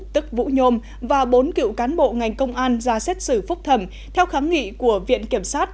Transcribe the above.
tức vũ nhôm và bốn cựu cán bộ ngành công an ra xét xử phúc thẩm theo kháng nghị của viện kiểm sát